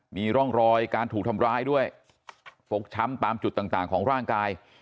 มีร่องรอยการถูกทำร้ายด้วยฟกช้ำตามจุดต่างต่างของร่างกาย